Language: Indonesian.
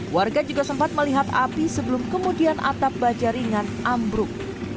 warga juga sempat melihat api sebelum kemudian atap baja ringan ambruk